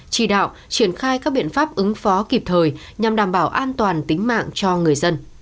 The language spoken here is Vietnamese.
chỉ đạo triển khai các biện pháp ứng phó kịp thời nhằm đảm bảo an toàn tính mạng cho người dân